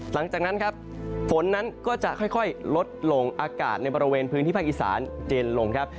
หลังจากนั้นครับฝนนั้นก็จะค่อยลดลงอากาศในบริเวณพื้นที่ภาคอีสานเย็นลงครับ